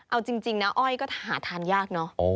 เอาจริงนะอ้อยก็หาทานยากเนอะ